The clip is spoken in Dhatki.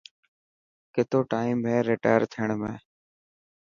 ڪتو ٽائم هي رٽائر ٿيڻ ۾.